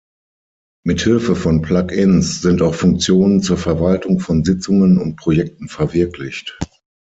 Mit Hilfe von Plug-ins sind auch Funktionen zur Verwaltung von Sitzungen und Projekten verwirklicht.